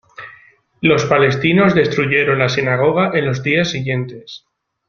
Los palestinos destruyeron la sinagoga en los días siguientes.